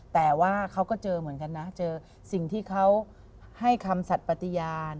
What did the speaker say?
แต่ว่าเขาก็เจอเหมือนกันนะเจอสิ่งที่เขาให้คำสัตว์ปฏิญาณ